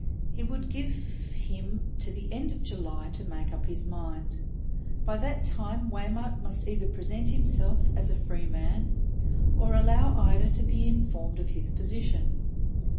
He would give him to the end of July to make up his mind; by that time Waymark must either present himself as a free man, or allow Ida to be informed of his position.